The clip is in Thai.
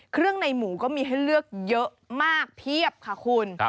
ในหมูก็มีให้เลือกเยอะมากเพียบค่ะคุณ